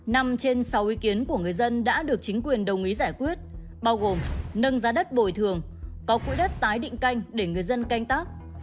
năm trên sáu ý kiến của người dân đã được chính quyền đồng ý giải quyết bao gồm nâng giá đất bồi thường có quỹ đất tái định canh để người dân canh tác